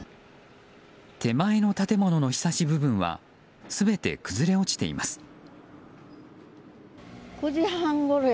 手前の建物のひさし部分は全て崩れ落ちています。